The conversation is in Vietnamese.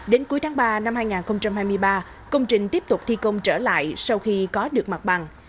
đến cuối tháng ba năm hai nghìn hai mươi ba công trình tiếp tục thi công trở lại sau khi có được mặt bằng